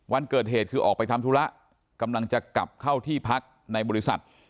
วันเกิดเหตุคือออกไปทำธุระกำลังจะกลับเข้าที่พักในบริษัท